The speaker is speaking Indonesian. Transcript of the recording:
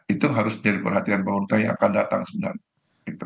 itu harus menjadi perhatian pemerintah yang akan datang sebenarnya